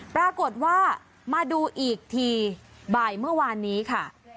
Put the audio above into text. ปรากฏว่ามาดูอีกทีบ่ายเมื่อวานนี้ค่ะ